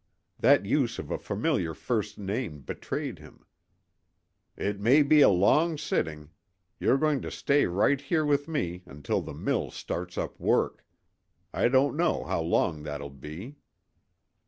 That use of a familiar first name betrayed him. "It may be a long sitting. You're going to stay right here with me until the mill starts up work. I don't know how long that'll be."